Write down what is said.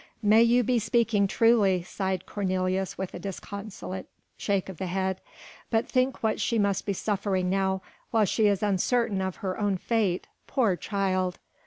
"May you be speaking truly," sighed Cornelius with a disconsolate shake of the head, "but think what she must be suffering now, while she is uncertain of her own fate, poor child!"